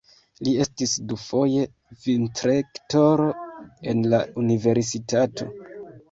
Li estis dufoje vicrektoro en la universitato.